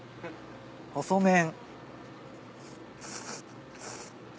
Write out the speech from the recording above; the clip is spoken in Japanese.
細麺。